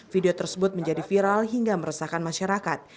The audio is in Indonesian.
video tersebut menjadi viral hingga meresahkan masyarakat